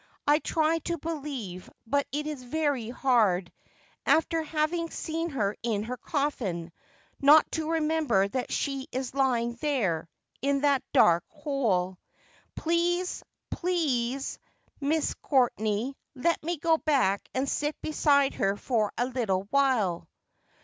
' I try to believe — but it is very hard— after having seen her in her coffin — not to remember that she is lying there— in that dark hole. Please, please, Miss Courtenay, let me go back and sit beside her for a little while.'